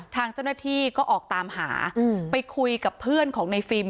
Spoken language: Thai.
ทางเจ้าหน้าที่ก็ออกตามหาไปคุยกับเพื่อนของในฟิล์ม